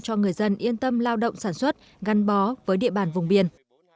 cho người dân yên tâm lao động sản xuất ngăn bó với địa bàn vùng biển